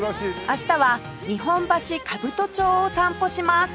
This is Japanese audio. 明日は日本橋兜町を散歩します